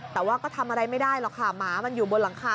แต่ว่าก็ทำอะไรไม่ได้หรอกค่ะหมามันอยู่บนหลังคา